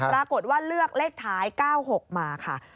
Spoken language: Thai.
ปรากฏว่าเลือกเลขท้าย๙๖มาค่ะ